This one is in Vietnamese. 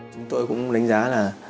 chúng tôi cũng đánh giá là